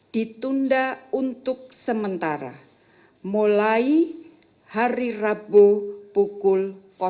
ditunda untuk sementara mulai hari rabu pukul